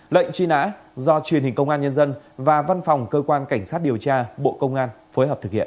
lệnh truy nã do truyền hình công an nhân dân và văn phòng cơ quan cảnh sát điều tra bộ công an phối hợp thực hiện